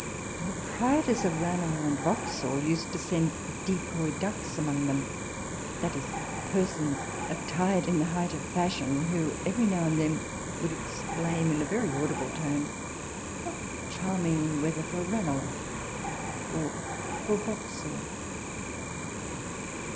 The proprietors of Ranelagh and Vauxhall used to send decoy ducks among them, that is, persons attired in the height of fashion, who every now and then would exclaim in a very audible tone, " What charming weather for Ranelagh " or " for Vauxhall